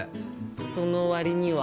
その割には。